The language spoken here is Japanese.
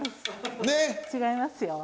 違います。ね！